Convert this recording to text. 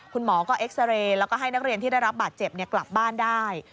คุณหมอก็เอ็กซาเรย์แล้วก็ให้นักเรียนที่ได้รับบาดเจ็บกลับบ้านได้